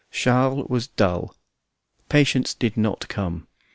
Charles was dull: patients did not come.